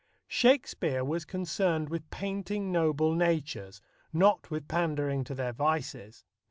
Shakespeare was concerned with painting noble natures, not with pandering to their vices.